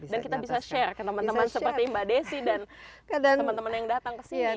dan kita bisa share ke teman teman seperti mbak desy dan teman teman yang datang kesini